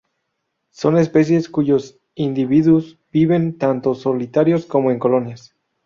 Son especies cuyos individuos viven tanto solitarios como en colonias.